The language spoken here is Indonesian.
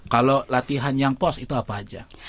kalau latihan yang pos itu apa aja